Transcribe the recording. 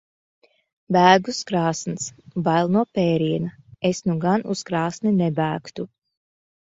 Bēg uz krāsns. Bail no pēriena. Es nu gan uz krāsni nebēgtu.